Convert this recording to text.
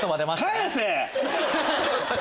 返せ！